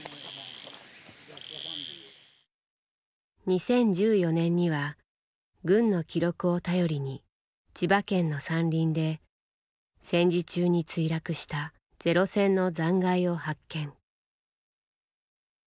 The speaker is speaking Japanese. ２０１４年には軍の記録を頼りに千葉県の山林で戦時中に墜落したゼロ戦の残骸を発見。